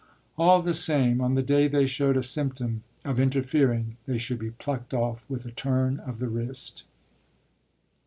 All the same, on the day they showed a symptom of interfering they should be plucked off with a turn of the wrist.